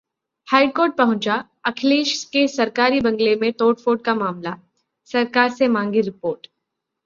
high court पहुंचा अखिलेश के सरकारी बंगले में तोड़फोड़ का मामला, सरकार से मांगी रिपोर्ट